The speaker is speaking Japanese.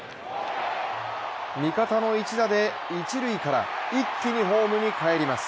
味方の一打で一塁から一気にホームに帰ります。